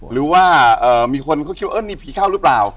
หรือว่ามีคนเขาคิดว่านี่ผีเข้าหรือเปล่า